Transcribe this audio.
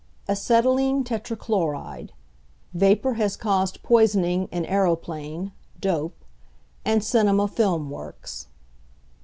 Acetylene tetrachloride; vapour has caused poisoning in aeroplane ('dope') and cinema film works.